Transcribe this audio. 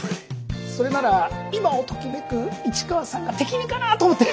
それなら今をときめく市川さんが適任かなと思って。